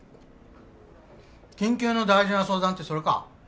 緊急の大事な相談ってそれか。